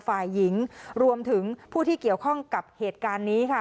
ฝ่ายหญิงรวมถึงผู้ที่เกี่ยวข้องกับเหตุการณ์นี้ค่ะ